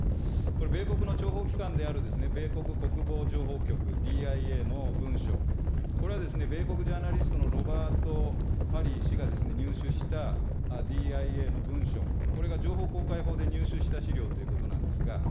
これ、米国の諜報機関である米国国防情報局・ＤＩＡの文書、これは米国ジャーナリストのロバート・パリー氏が入手したＤＩＡの文書、これが情報公開法で入手した資料ということなんですが。